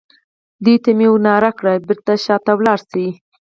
دوی ته مې ور نارې کړې: بېرته شا ته ولاړ شئ.